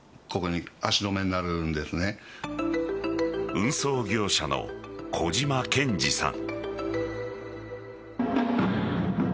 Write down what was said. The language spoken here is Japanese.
運送業者の小島健二さん。